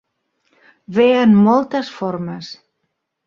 Ve en moltes formes.